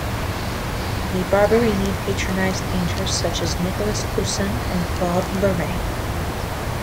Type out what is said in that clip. The Barberini patronised painters such as Nicolas Poussin and Claude Lorrain.